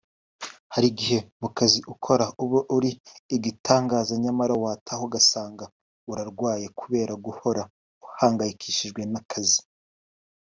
“Hari igihe mu kazi ukora uba uri igitangaza nyamara wataha ugasanga urarwaye kubera guhora uhangayikishijwe n’akazi